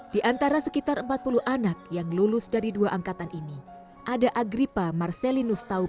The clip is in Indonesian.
di antara sekitar empat puluh anak yang lulus dari dua angkatan ini ada agripa marcelinus taufik